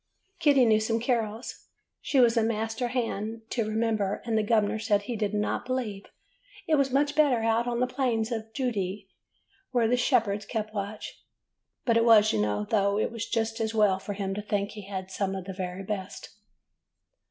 Kitty knew some carols, she was a master hand to remember, and the gov'ner said he did n't believe it was much better out on the plains of Judee where the shepherds kept watch. But it was, you know, though it was just as well for him to think he had some of the very best.